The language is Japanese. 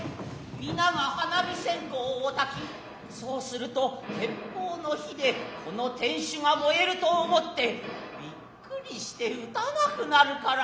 皆が花火線香をお焚き然うすると鉄砲の火で此の天守が燃えると思つて吃驚して打たなく成るから。